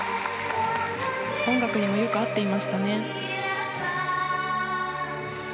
音楽にもよく合っていましたね。